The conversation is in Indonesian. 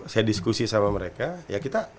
saya diskusi sama mereka ya kita